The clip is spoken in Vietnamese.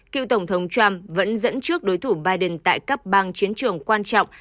cựu tổng thống trump vẫn dẫn trước đối thủ biden tại các bang chiến trường quan trọng